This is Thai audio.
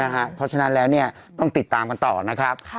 เพราะฉะนั้นแล้วต้องติดตามกันต่อนะครับ